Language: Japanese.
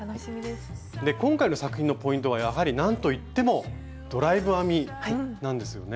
で今回の作品のポイントはやはりなんといってもドライブ編みなんですよね。